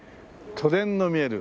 都電の見える